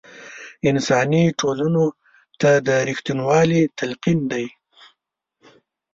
انساني ټولنو ته د رښتینوالۍ تلقین دی.